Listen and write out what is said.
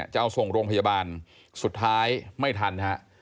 จะเอาส่งโรงพยาบาลสุดท้ายไม่ทันฮะ